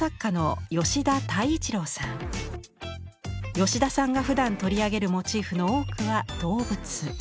吉田さんがふだん取り上げるモチーフの多くは動物。